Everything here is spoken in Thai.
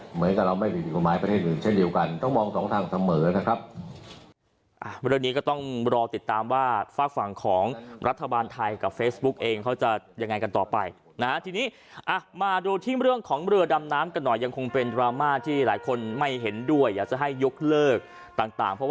เหมือนกับเราไม่มีผิดกฎหมายประเทศอื่นเช่นเดียวกันต้องมองสองทางเสมอนะครับ